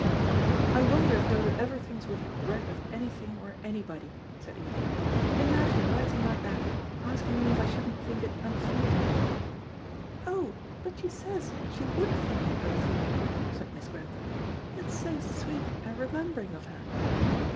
"I wonder if Dodo ever thinks with regret of anything or anybody," said Edith. "Imagine writing like that asking me if I shouldn't think it unfeeling." "Oh, but she says she would think it unfeeling," said Miss Grantham. "That's so sweet and remembering of her."